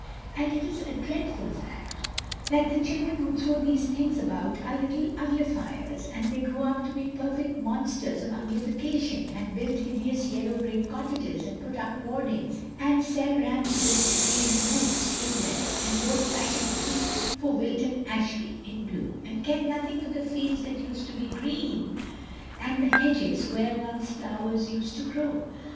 And it is a dreadful fact that the children who throw these things about are little uglifiers, and they grow up to be perfect monsters of uglification, and build hideous yellow brick cottages, and put up hoardings, and sell Ramsden's Really Boots (in red), and vote passionately for Wilton Ashby (in blue), and care nothing for the fields that used to be green and the hedges where once flowers used to grow.